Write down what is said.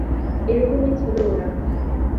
এরকমই ছিল ওরা।